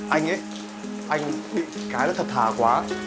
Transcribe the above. anh ấy anh bị cái nó thật thà quá